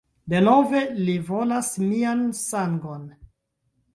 Denove, li volas mian sangon!